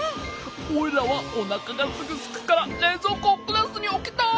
オイラはおなかがすぐすくかられいぞうこをクラスにおきたい！